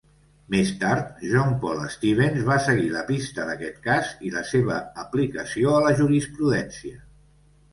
Més tard, John Paul Stevens va seguir la pista d'aquest cas i la seva aplicació a la jurisprudència.